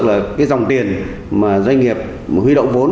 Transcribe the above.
là cái dòng tiền mà doanh nghiệp mà huy động vốn